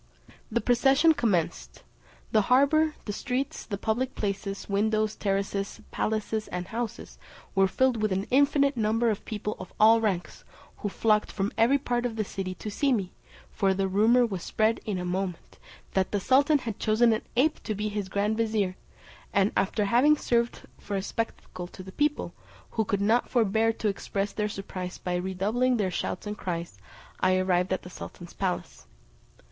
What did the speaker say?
The procession commenced; the harbour, the streets, the public places, windows, terraces, palaces, and houses, were filled with an infinite number of people of all ranks, who flocked from every part of the city to see me; for the rumour was spread in a moment, that the sultan had chosen an ape to be his grand vizier, and after having served for a spectacle to the people, who could not forbear to express their surprise by redoubling their shouts and cries, I arrived at the sultan's palace.